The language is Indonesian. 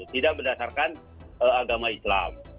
tidak berdasarkan agama islam